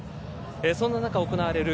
そんな中行われる